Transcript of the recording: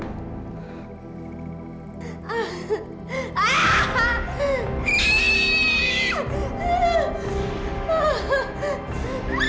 oh kalau disitu